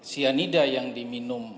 sianida yang diminum